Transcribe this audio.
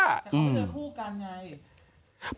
เขาใช้เทนเนอร์คนเดียวกัน